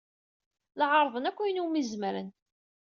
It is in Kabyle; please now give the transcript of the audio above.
La ɛerrḍen akk ayen umi zemren.